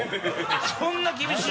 そんな厳しい？